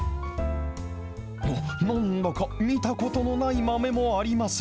おっ、なんだか見たことのない豆もあります。